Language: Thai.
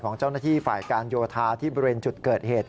ของเจ้าหน้าที่ฝ่ายการโยธาที่บริเวณจุดเกิดเหตุ